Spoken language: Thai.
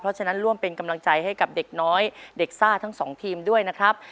เพราะฉะนั้นร่วมเป็นกำลังใจให้กับเด็กน้อยเด็กซ่าทั้งสองทีมด้วยนะครับ